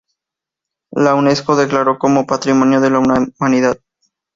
La Unesco declaró como Patrimonio de la Humanidad.